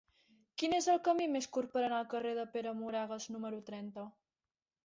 Quin és el camí més curt per anar al carrer de Pere Moragues número trenta?